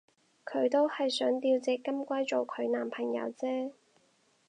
佢都係想吊隻金龜做佢男朋友啫